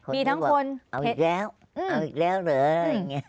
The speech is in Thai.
มีทั้งคนเอาอีกแล้วเอาอีกแล้วเลย